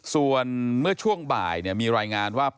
ส่วนเมื่อช่วงบ่ายมีรายงานว่า